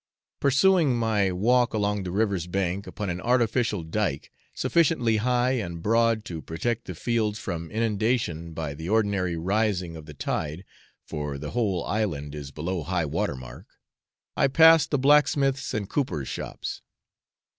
Pursuing my walk along the river's bank, upon an artificial dyke, sufficiently high and broad to protect the fields from inundation by the ordinary rising of the tide for the whole island is below high water mark I passed the blacksmith's and cooper's shops.